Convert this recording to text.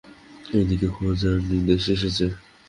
এই দিকে খোঁজার নির্দেশ এসেছে।